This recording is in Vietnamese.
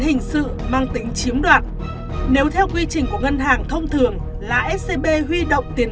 hình sự mang tính chiếm đoạt nếu theo quy trình của ngân hàng thông thường là scb huy động tiền